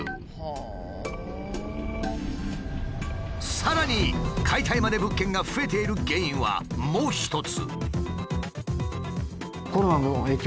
さらに解体まで物件が増えている原因はもう一つ。